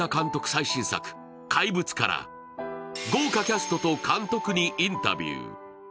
最新作「怪物」から豪華キャストと監督にインタビュー。